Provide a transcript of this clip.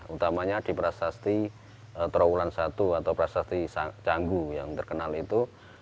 utamanya di prasasti trawulan satu atau prasasti canggu yang terkenal itu